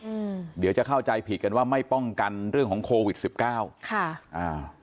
อืมเดี๋ยวจะเข้าใจผิดกันว่าไม่ป้องกันเรื่องของโควิดสิบเก้าค่ะอ่า